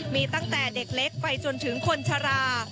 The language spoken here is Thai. มีตั้งแต่เด็กเล็กไปจนถึงคนชะลา